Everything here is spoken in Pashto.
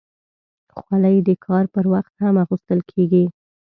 خولۍ د کار پر وخت هم اغوستل کېږي.